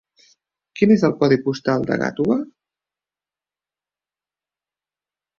Quin és el codi postal de Gàtova?